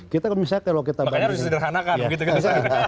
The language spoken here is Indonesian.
makanya harus disederhanakan